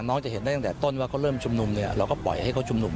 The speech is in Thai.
จะเห็นได้ตั้งแต่ต้นว่าเขาเริ่มชุมนุมเนี่ยเราก็ปล่อยให้เขาชุมนุม